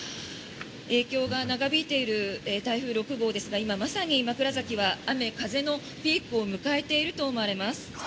影響が長引いている台風６号ですが今まさに枕崎は雨風のピークを迎えていると思われます。